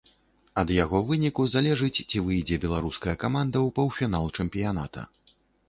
Ад яго выніку залежыць, ці выйдзе беларуская каманда ў паўфінал чэмпіяната.